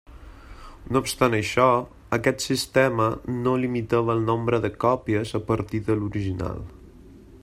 No obstant això, aquest sistema no limitava el nombre de còpies a partir de l'original.